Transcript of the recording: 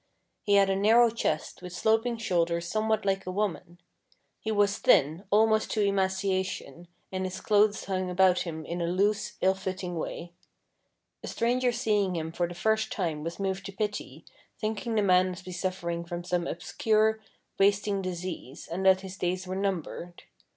He had a narrow chest, with sloping shoulders some what like a woman. He was thin almost to emaciation, and his clothes hung about him in a loose, ill fitting way. A stranger seeing him for the first time was moved to pity, thinking the man must be suffering from some obscure, wasting disease, and that his days were numbered.